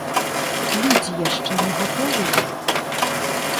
Людзі яшчэ не гатовыя?